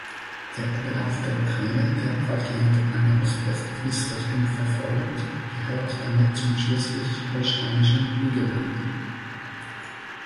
Der Oberlauf der Treene, der weitgehend eine Ost-West-Fließrichtung verfolgt, gehört damit zum Schleswig-Holsteinischen Hügelland.